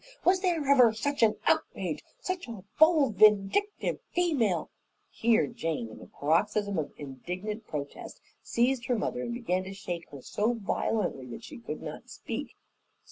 Was there ever such an outrage? Such a bold, vindictive female " Here Jane, in a paroxysm of indignant protest, seized her mother and began to shake her so violently that she could not speak.